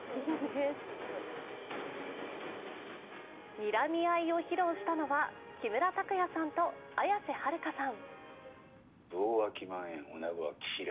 にらみ合いを披露したのは木村拓哉さんと綾瀬はるかさん。